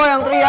lo yang teriak